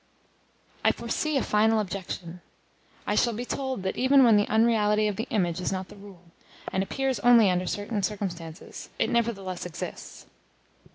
I foresee a final objection: I shall be told that even when the unreality of the image is not the rule, and appears only under certain circumstances, it nevertheless exists.